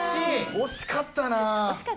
惜しかった？